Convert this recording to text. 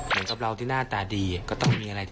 อ้อหนึ่งดูน่ารักทุกคนเนี่ย